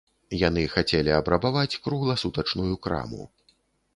Яны хацелі абрабаваць кругласутачную краму.